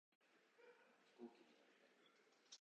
飛行機に乗りたい